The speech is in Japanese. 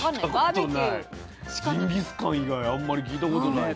ジンギスカン以外あんまり聞いたことないです。